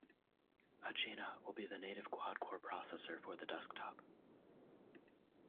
"Agena" will be the native quad-core processor for the desktop.